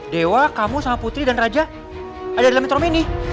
dewa kamu sama putri dan raja ada dalam metro mini